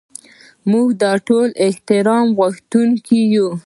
موږ ټول د احترام غوښتونکي یو.